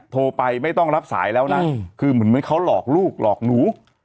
โทรไปไม่ต้องรับสายแล้วนะคือเหมือนเขาหลอกลูกหลอกหนู